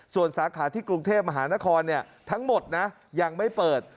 ส่วนสาขาที่กรุงเทพมหานครทั้งหมดนะยังไม่เปิด